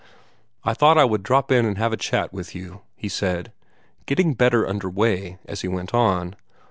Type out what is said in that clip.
"I thought I would drop in and have a chat with you," he said, getting better under way as he went on.